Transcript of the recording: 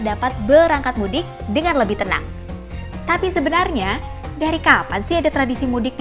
dapat berangkat mudik dengan lebih tenang tapi sebenarnya dari kapan sih ada tradisi mudik di